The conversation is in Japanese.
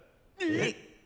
えっ。